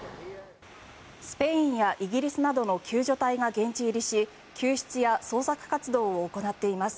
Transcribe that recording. スペインやイギリスなどの救助隊が現地入りし救出や捜索活動を行っています。